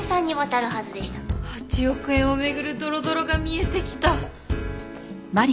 ８億円を巡るドロドロが見えてきた！